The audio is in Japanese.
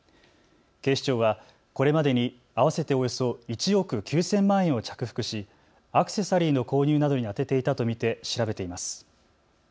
警視庁はこれまでに合わせておよそ１億９０００万円を着服しアクセサリーの購入などに充てていたと見て調べています。